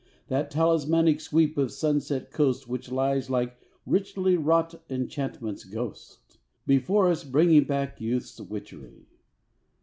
That talismanic sweep of sunset coast, Which lies like richly wrought enchantment's ghost Before us, bringing back youth's witchery!